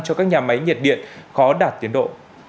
cho các nhà máy nhiệt điện khó đạt tiến độ